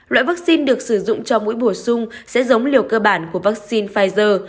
loại vaccine được sử dụng cho mũi bổ sung sẽ giống liều cơ bản của vaccine pfizer